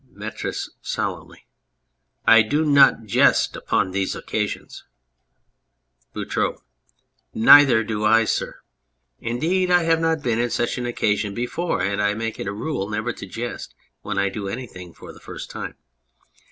METRIS (solemnly). I do not jest upon these occasions. BOUTROUX. Neither do I, sir. Indeed, I have not been in such an occasion before ; and I make it a rule never to jest when I do anything for the first time.